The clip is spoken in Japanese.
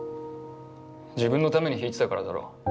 自分のために弾いてたからだろ。